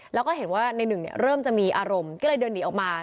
แล้วก็เห็นว่าในหนึ่งเริ่มจะมีอารมณ์ก็เลยเดินหนีออกมา